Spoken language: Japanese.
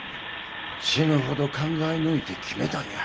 死ぬほど考え抜いて決めたんや。